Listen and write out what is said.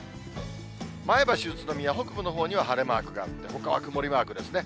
前橋、宇都宮、北部のほうには晴れマークがあって、ほかは曇りマークですね。